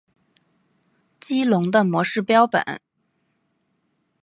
激龙的模式标本。